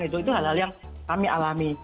itu hal hal yang kami alami